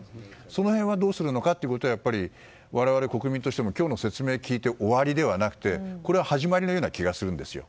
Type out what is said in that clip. その辺どうするのかというところ我々、国民としても今日の説明を聞いて終わりではなくこれが始まりのような気がするんですよ。